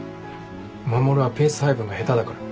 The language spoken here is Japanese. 守はペース配分が下手だから。